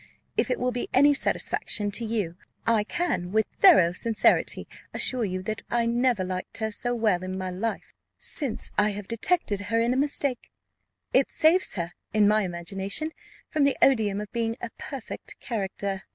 If it will be any satisfaction to you, I can with thorough sincerity assure you that I never liked her so well in my life as since I have detected her in a mistake. It saves her, in my imagination, from the odium of being a perfect character."